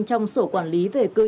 trong sổ quản lý